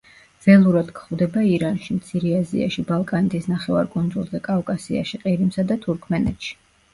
ველურად გვხვდება ირანში, მცირე აზიაში, ბალკანეთის ნახევარკუნძულზე, კავკასიაში, ყირიმსა და თურქმენეთში.